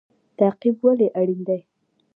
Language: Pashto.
تعقیب ولې اړین دی؟